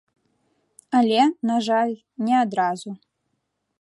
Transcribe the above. Але, на жаль, не адразу.